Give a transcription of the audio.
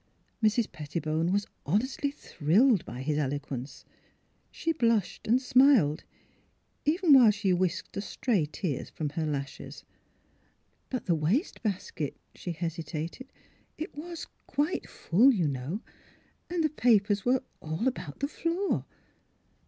Mrs. Pettibone was honestly thrilled by his eloquence ; she blushed and smiled, even while she whisked a stray tear from her lashes. ^' But the waste basket," she hesitated, *' it was quite full, you know, and the papers were all about the floor.